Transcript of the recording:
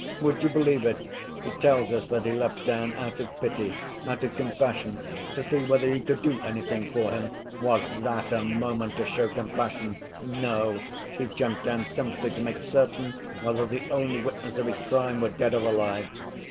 Would you believe it, he tells us that he leapt down out of pity, out of compassion, to see whether he could do anything for him. Was that a moment to show compassion? No; he jumped down simply to make certain whether the only witness of his crime were dead or alive.